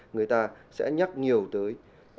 người ta sẽ nhắc nhiều tới